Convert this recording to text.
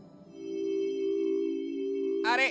あれ？